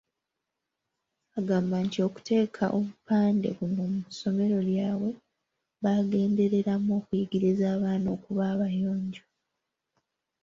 Agamba nti okuteeka obupande buno mu ssomero lyabwe baagendereramu okuyigiriza abaana okuba abayonjo.